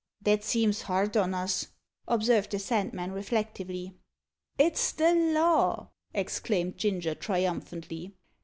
"That seems hard on us," observed the Sandman reflectively. "It's the law!" exclaimed Ginger triumphantly.